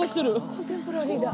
コンテンポラリーだ。